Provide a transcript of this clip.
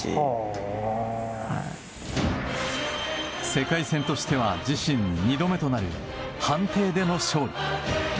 世界戦としては自身２度目となる判定での勝利。